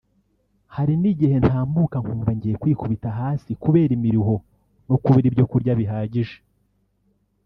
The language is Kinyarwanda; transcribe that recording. Hari n’igihe ntambuka nkumva ngiye kwikubita hasi kubera imiruho no kubura ibyo kurya bihagije